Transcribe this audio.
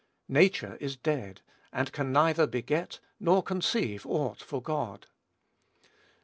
Nature is dead, and can neither beget nor conceive aught for God.